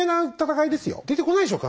出てこないでしょう